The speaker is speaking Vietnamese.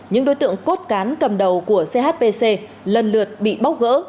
những đối tượng cốt cán cầm đầu của chpc lần lượt bị bóc gỡ